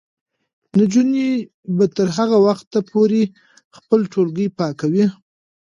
نجونې به تر هغه وخته پورې خپل ټولګي پاکوي.